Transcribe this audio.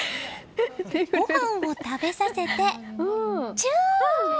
ごはんを食べさせて、チュー！